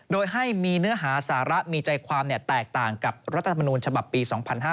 โดยให้มีเนื้อหาสาระมีใจความแตกต่างกับรัฐธรรมนูญฉบับปี๒๕๕๙